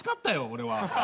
俺は。